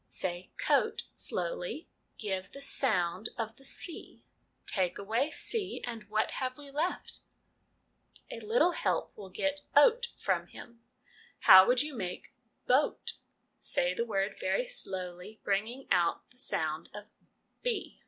Say ' coat ' slowly ; give the sound of the c. ' Take away c, and what have we left ?' A little help will get ' oat ' from him. How would you make ' boat' (say the word very slowly, bringing out the sound of b).